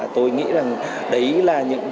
tôi nghĩ rằng đấy là những cái